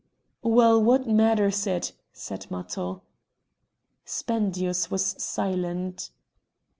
"Well! what matters it?" said Matho. Spendius was silent.